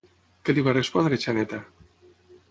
Què li va respondre Xaneta?